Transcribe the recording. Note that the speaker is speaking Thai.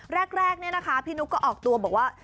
แรกเนี่ยนะคะพี่นุ๊กก็ออกตัวบอกว่า